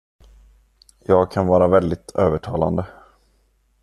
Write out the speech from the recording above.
Jag kan vara väldigt övertalande.